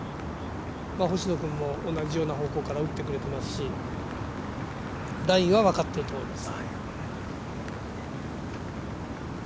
星野君も同じような方向から打ってくれていますし、ラインは分かっていると思います。